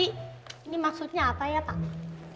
ini maksudnya apa ya pak